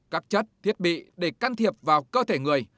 các chất thiết bị để can thiệp vào cơ thể người